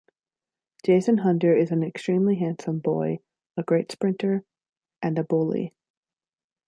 Jason Hunter is an extremely handsome boy, a great sprinter...and a bully.